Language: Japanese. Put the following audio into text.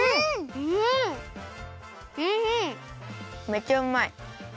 めちゃうまい。